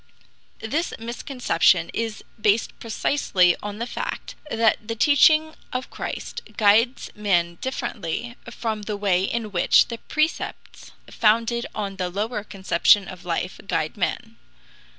The misconception is based precisely on the fact that the teaching of Christ guides men differently from the way in which the precepts founded on the lower conception of life guide men.